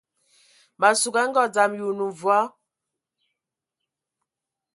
Ma sug a ngɔ dzam, yi onə mvɔí ?